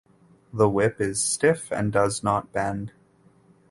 The whip is stiff and does not bend.